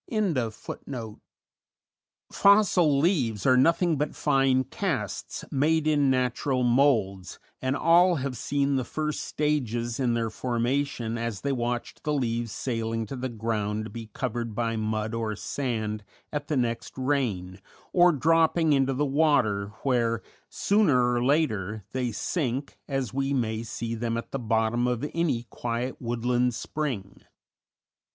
_ "Fossil leaves" are nothing but fine casts, made in natural moulds, and all have seen the first stages in their formation as they watched the leaves sailing to the ground to be covered by mud or sand at the next rain, or dropping into the water, where sooner or later they sink, as we may see them at the bottom of any quiet woodland spring.